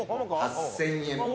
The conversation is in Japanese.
８，０００円。